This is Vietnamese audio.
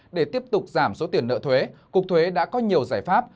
để tiếp tục giảm số tiền nợ thuế cục thuế đã có nhiều giải pháp